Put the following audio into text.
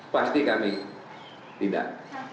pasti kami tidak